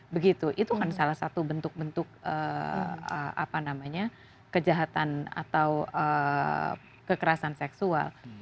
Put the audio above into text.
begitu itu kan salah satu bentuk bentuk kejahatan atau kekerasan seksual